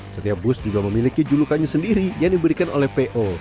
setiap bus juga memiliki julukannya sendiri yang diberikan oleh po